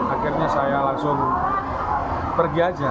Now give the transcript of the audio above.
akhirnya saya langsung pergi aja